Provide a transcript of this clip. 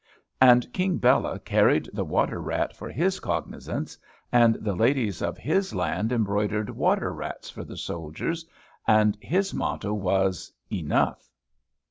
And King Bela carried the water rat for his cognizance; and the ladies of his land embroidered water rats for the soldiers; and his motto was "Enough."